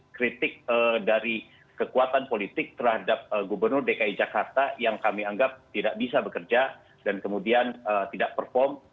kritik dari kekuatan politik terhadap gubernur dki jakarta yang kami anggap tidak bisa bekerja dan kemudian tidak perform